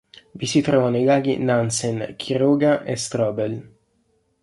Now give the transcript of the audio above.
Vi si trovano i laghi Nansen, Quiroga e Strobel.